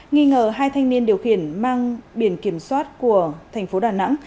nghi ngờ hai thanh niên điều khiển mang biển kiểm soát của thành phố đà nẵng